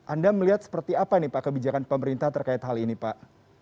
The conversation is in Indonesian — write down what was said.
anda melihat seperti apa nih pak kebijakan pemerintah terkait hal ini pak